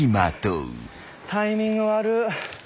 タイミング悪ぅ。